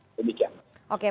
oke pak ibrahim